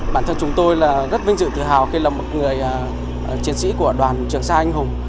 bản thân chúng tôi là rất vinh dự tự hào khi là một người chiến sĩ của đoàn trường sa anh hùng